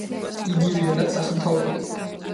იგივეა, რაც ასომთავრული.